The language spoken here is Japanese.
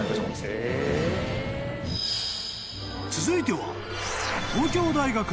［続いては］